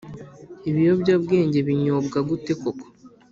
Ibiyobyabwenge binyobwa gute koko ?